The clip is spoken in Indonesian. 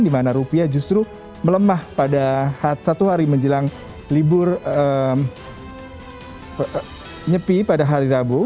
di mana rupiah justru melemah pada satu hari menjelang libur nyepi pada hari rabu